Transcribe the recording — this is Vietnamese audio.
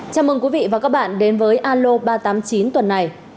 chào các bạn đến với alo ba trăm tám mươi chín tuần này